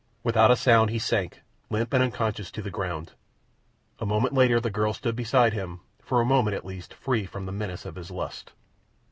Without a sound he sank, limp and unconscious, to the ground. A moment later the girl stood beside him—for a moment at least free from the menace of his lust.